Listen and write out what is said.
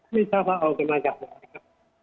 ไม่ทราบว่าเอากันมาจากไหนนะครับ